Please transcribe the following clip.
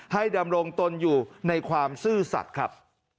ดำรงตนอยู่ในความซื่อสัตว์ครับ